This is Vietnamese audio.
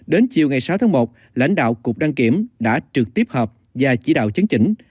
đến chiều ngày sáu tháng một lãnh đạo cục đăng kiểm đã trực tiếp họp và chỉ đạo chứng chỉnh